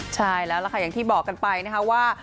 ใช่แล้วล่ะค่ะอย่างที่บอกกันไปนะคะว่า